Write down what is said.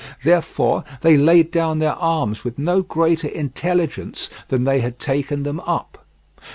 Therefore they laid down their arms with no greater intelligence than they had taken them up.